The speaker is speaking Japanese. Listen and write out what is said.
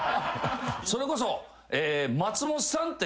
それこそえ。